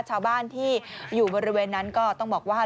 ชาวบ้านที่อยู่บริเวณนั้นก็ต้องบอกว่า